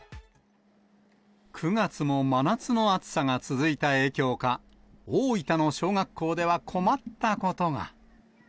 ９月も真夏の暑さが続いた影響か、大分の小学校では困ったことが。